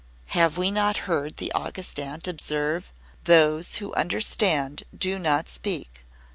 "Have we not heard the August Aunt observe: 'Those who understand do not speak.